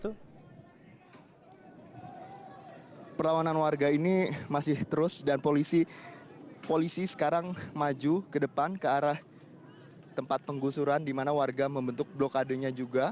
itu perlawanan warga ini masih terus dan polisi sekarang maju ke depan ke arah tempat penggusuran di mana warga membentuk blokadenya juga